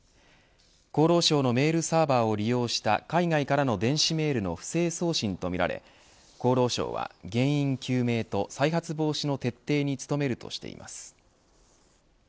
厚労省のメールサーバーを利用した海外からの電子メールの不正送信とみられ厚労省は原因究明と再発防止の徹底に努めるとしています。